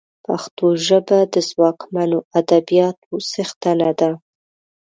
پښتو ژبه د ځواکمنو ادبياتو څښتنه ده